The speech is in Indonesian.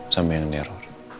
sama yang neror